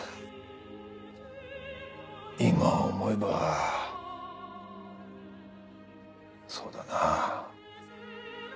今思えばそうだな。